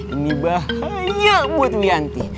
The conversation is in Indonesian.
ini bahaya buat wianti